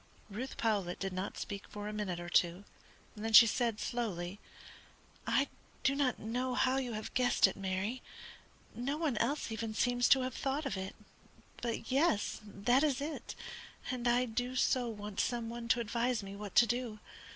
Ruth Powlett did not speak for a minute or two, then she said, slowly: "I do not know how you have guessed it, Mary. No one else even seems to have thought of it. But, yes, that is it, and I do so want some one to advise me what to do.